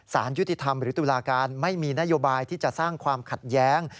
สารยุติธรรมหรือตุลาการไม่มีนโยบายที่จะสร้างความขัดแย้ง